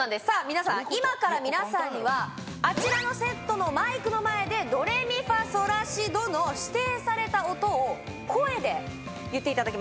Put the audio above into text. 皆さん今から皆さんにはあちらのセットのマイクの前でドレミファソラシドの指定された音を声で言っていただきますはい